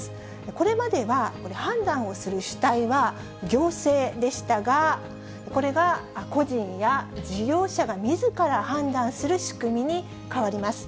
これまではこれ、判断をする主体は、行政でしたが、これが個人や事業者がみずから判断する仕組みに変わります。